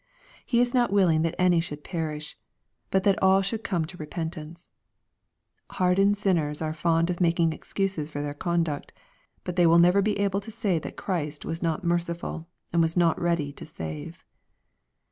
He is not willing that any should perish, but that all should come to repentance. Hardened sin ners are fond of making excuses for their conduct. But they will never be able to say that Christ was not mer ciful, and was not ready to save.